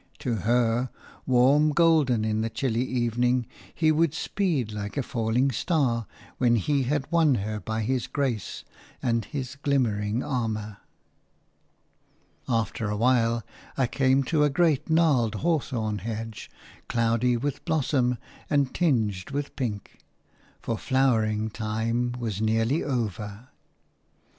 To her, warm golden in the chilly evening, he would speed like a falling star, when he had won her by his grace and his glimmering armour. After a while I came to a great gnarled hawthorn hedge, cloudy with blossom and tinged with pink – for flowering time was nearly over.